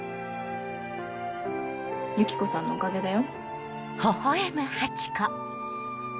ユキコさんのおかげだよ。